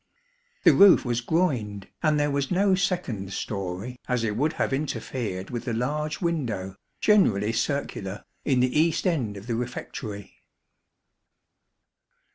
The roof was groined, and there was no second storey, as it would have interfered with the large window, generally circular, in the east end of the refectory.